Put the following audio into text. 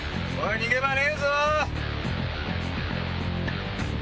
逃げ場はねえぞ！